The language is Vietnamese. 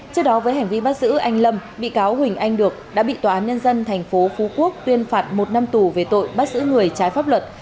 trước đó với hành vi bắt giữ anh lâm bị cáo huỳnh anh được đã bị tòa án nhân dân tp phú quốc tuyên phạt một năm tù về tội bắt giữ người trái pháp luật